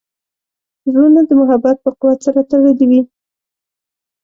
زړونه د محبت په قوت سره تړلي وي.